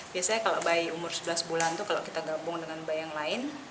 biasanya kalau bayi umur sebelas bulan itu kalau kita gabung dengan bayi yang lain